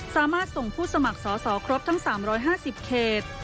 สามารถส่งผู้สมัครสอสอครบทั้ง๓๕๐เขต